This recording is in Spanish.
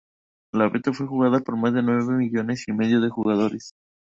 La beta fue jugada por más de nueve millones y medio de jugadores.